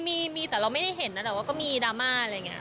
มีมีแต่เราไม่ได้เห็นนะแต่ว่าก็มีดราม่าอะไรอย่างนี้